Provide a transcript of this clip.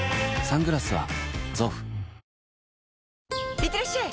いってらっしゃい！